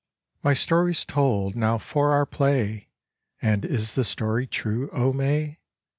My story's told, now for our play!" "And is the story true, O May?"